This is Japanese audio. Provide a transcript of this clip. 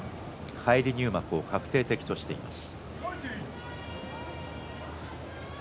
返り入幕を確定的にしています。